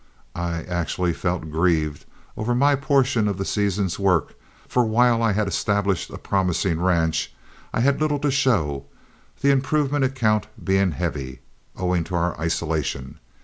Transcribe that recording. I actually felt grieved over my portion of the season's work for while I had established a promising ranch, I had little to show, the improvement account being heavy, owing to our isolation.